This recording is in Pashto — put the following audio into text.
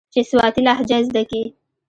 چې سواتي لهجه زده کي.